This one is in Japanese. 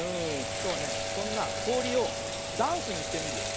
きょうはねそんなこおりをダンスにしてみるよ。